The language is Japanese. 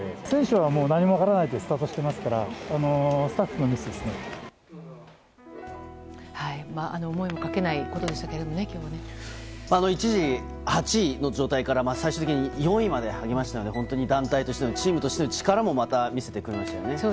選手はもう何も分からないでスタートしてますから、スタッフのミ思いもかけないことでしたけ一時、８位の状態から最終的に４位まで入りましたので、本当に団体としても、チームとしての力もまた見せてくれましたよね。